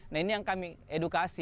nah ini yang kami edukasi